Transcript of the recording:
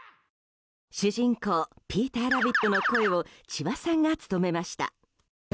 主人公、ピーターラビットの声を千葉さんが務めました。